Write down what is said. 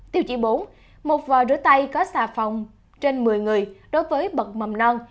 tiêu chí bốn một vòi rửa tay có xà phòng trên một mươi người đối với bậc mầm non